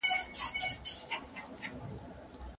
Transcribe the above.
د ارغنداب سیند وجود د کرهڼیز انقلاب لامل سوي دی.